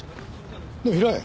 でも平井。